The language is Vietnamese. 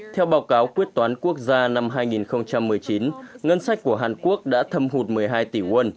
theo báo cáo quyết toán quốc gia năm hai nghìn một mươi chín ngân sách của hàn quốc đã thâm hụt một mươi hai tỷ won